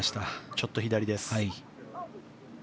ちょっと左です。